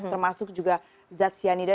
termasuk juga zat cyanida